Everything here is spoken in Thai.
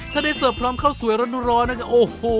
ถ้าได้เสิร์ฟพร้อมข้าวสวยร้อนนั่นก็โอ้โห